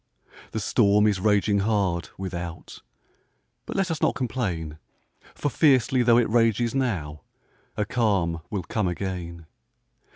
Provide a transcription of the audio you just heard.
The storm is raging hard, without; But let us not complain, For fiercely tho' it rages now, A calm will come again.